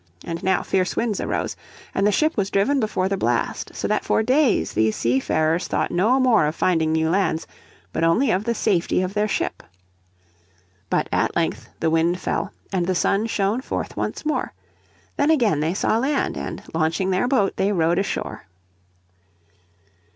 And now fierce winds arose, and the ship was driven before the blast so that for days these seafarers thought no more of finding new lands, but only of the safety of their ship. But at length the wind fell, and the sun shone forth once more. Then again they saw land, and launching their boat they rowed ashore.